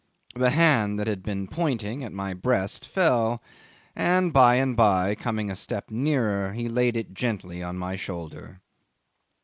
The hand that had been pointing at my breast fell, and by and by, coming a step nearer, he laid it gently on my shoulder.